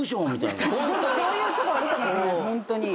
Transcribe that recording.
そういうとこあるかもしんないホントに。